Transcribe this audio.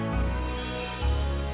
tapi udah selesai